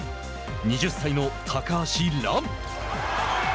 ２０歳の高橋藍。